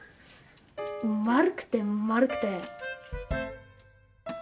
丸くて丸くて。